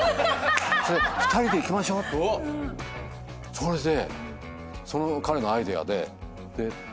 それでその彼のアイデアで着いて。